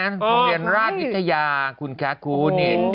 โรงเรียนราชวิทยาคุณแค๊ตกูนี่